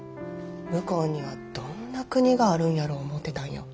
向こうにはどんな国があるんやろう思てたんよ。